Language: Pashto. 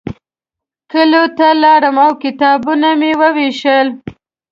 کلیو ته لاړم او کتابونه مې ووېشل.